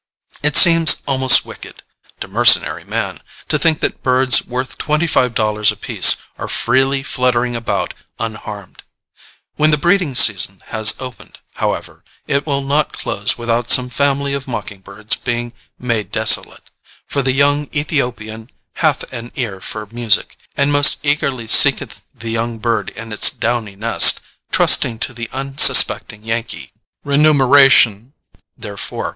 It seems almost wicked to mercenary man to think that birds worth twenty five dollars apiece are freely fluttering about unharmed. When the breeding season has opened, however, it will not close without some family of mocking birds being made desolate, for the young Ethiopian hath an ear for music, and most eagerly seeketh the young bird in its downy nest, trusting to the unsuspecting Yankee for remuneration therefor.